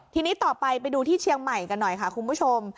ทีนี้ต่อไปไปดูที่เชียงใหม่กันหน่อยค่ะคุณผู้ชม